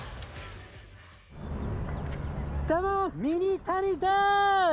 どうも、ミニタニです。